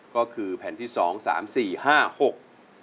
ก็คือแผ่นที่สองสามสี่ห้าหก